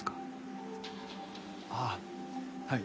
ああはい。